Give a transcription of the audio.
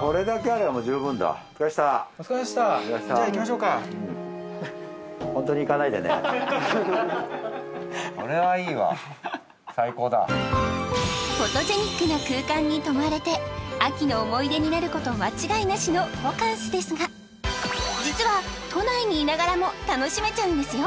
これだけありゃもう十分だお疲れさまでしたお疲れさまでしたじゃ行きましょうかこれはいいわ最高だフォトジェニックな空間に泊まれて秋の思い出になること間違いなしのホカンスですが実は都内にいながらも楽しめちゃうんですよ